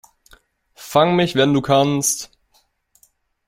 Fang mich, wenn du kannst!